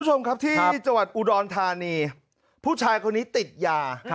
ผู้ชมครับที่จัวร์อุดอลธานีผู้ชายคนนี้ติดยา